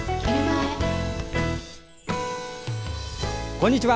こんにちは。